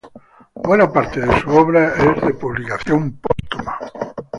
Buena parte de su obra es de publicación póstuma.